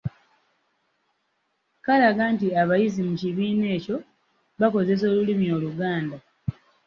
Kalaga nti abayizi mu kibiina ekyo bakozesa Olulimi Oluganda.